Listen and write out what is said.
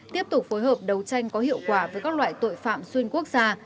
tiếp tục phối hợp đấu tranh có hiệu quả với các loại tội phạm xuyên quốc gia